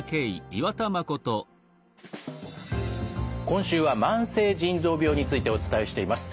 今週は「慢性腎臓病」についてお伝えしています。